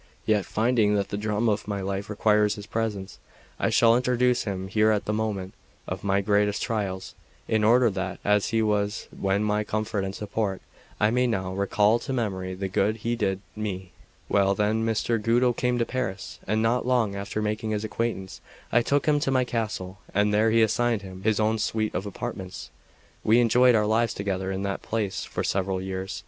Yet, finding that the drama of my life requires his presence, I shall introduce him here at the moment of my greatest trials, in order that, as he was then my comfort and support, I may now recall to memory the good he did me. 2 Well, then, Messer Guido came to Paris; and not long after making his acquaintance, I took him to my castle, and there assigned him his own suite of apartments. We enjoyed our lives together in that place for several years.